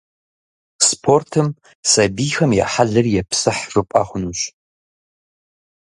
Спортым сабийхэм я хьэлри епсыхь жыпӀэ хъунущ.